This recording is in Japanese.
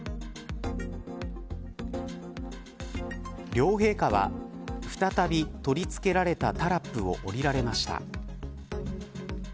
両陛下は再び取り付けられたタラップを降りられました。